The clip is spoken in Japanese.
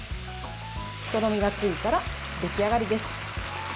とろみがついたら出来上がりです。